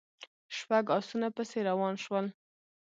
شپږ آسونه پسې روان شول.